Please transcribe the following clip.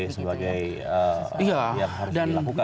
sebagai yang harus dilakukan